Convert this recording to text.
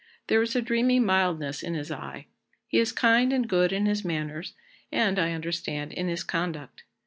There is a dreamy mildness in his eye; he is kind and good in his manners and, I understand, in his conduct.